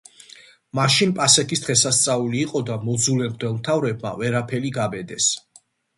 მაშინ პასექის დღესასწაული იყო და მოძულე მღვდელმთავრებმა ვერაფერი გაბედეს.